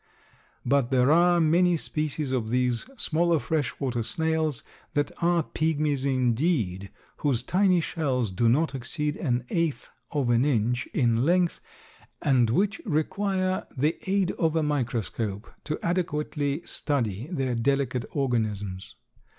But there are many species of these smaller fresh water snails that are pigmies, indeed, whose tiny shells do not exceed an eight of an inch in length and which require the aid of a microscope to adequately study their delicate organisms.